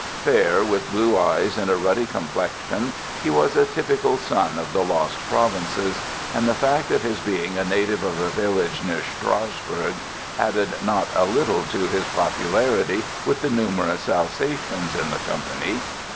Fair, with blue eyes and a ruddy complexion, he was a typical son of the "Lost Provinces"; and the fact of his being a native of a village near Strassburg added not a little to his popularity with the numerous Alsatians in the company.